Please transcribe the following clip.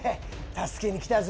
助けにきたぜ！